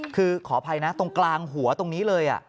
คือขออภัยนะตรงกลางหัวตรงนี้เลย